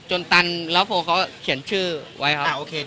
จนตันแล้วพ่อเขาเขียนชื่อไว้ครับ